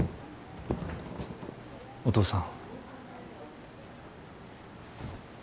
お父さん。